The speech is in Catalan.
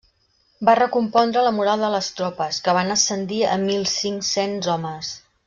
Va recompondre la moral de les tropes, que van ascendir a mil cinc-cents homes.